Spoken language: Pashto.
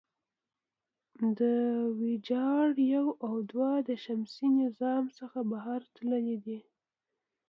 د وویجر یو او دوه د شمسي نظام څخه بهر تللي دي.